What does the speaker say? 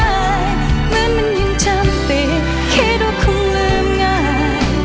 เหมือนมันยังจำเป็นคิดว่าคงลืมง่าย